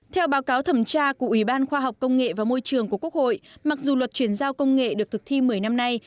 theo báo cáo thẩm tra của ubthqh mặc dù luật chuyển giao công nghệ được thực thi một mươi năm nay